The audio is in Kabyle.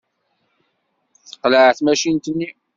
Teqleɛ tmacint-nni.